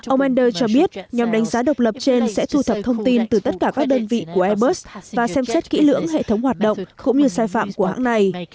ông enders cho biết nhóm đánh giá độc lập trên sẽ thu thập thông tin từ tất cả các đơn vị của airbus và xem xét kỹ lưỡng hệ thống hoạt động cũng như sai phạm của hãng này